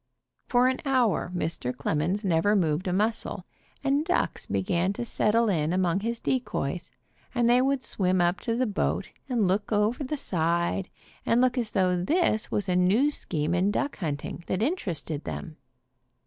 For an hour Mr. demons never moved a muscle, and ducks began to settle in among his de coys, and they would swim up to the boat and look over the side and look as though this was a new scheme in duck hunting that interested them.